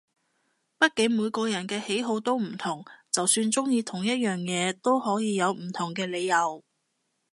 畢竟每個人嘅喜好都唔同，就算中意同一樣嘢都可以有唔同嘅理由